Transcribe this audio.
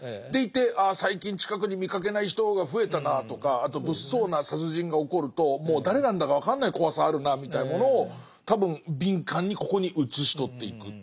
でいてああ最近近くに見かけない人が増えたなぁとかあと物騒な殺人が起こるともう誰なんだか分かんない怖さあるなみたいなものを多分敏感にここに写し取っていく。